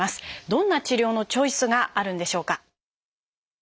どんな治療のチョイスがあるんでしょうか。